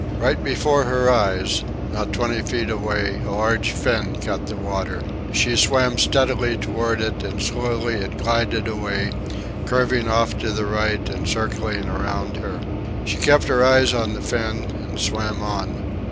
Right before her eyes, not twenty feet away, a large fin cut the water. She swam steadily toward it, and slowly it glided away, curving off toward the right and circling around her. She kept her eyes on the fin and swam on.